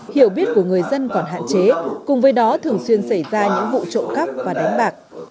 hiểu biết của người dân còn hạn chế cùng với đó thường xuyên xảy ra những vụ trộm cắp và đánh bạc